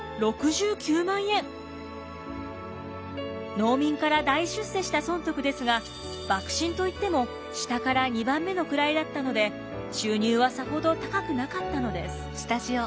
農民から大出世した尊徳ですが幕臣といっても下から２番目の位だったので収入はさほど高くなかったのです。